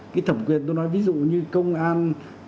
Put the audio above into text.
cái thẩm quyền tôi nói ví dụ như công an